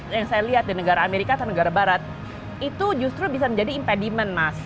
yang saya lihat di negara amerika atau negara barat itu justru bisa menjadi impediment mas